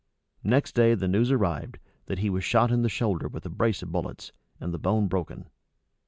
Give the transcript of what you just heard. Next day the news arrived, that he was shot in the shoulder with a brace of bullets, and the bone broken.